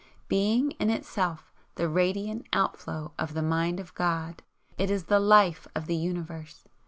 Being in Itself the Radiant outflow of the Mind of God, it is the LIFE of the Universe.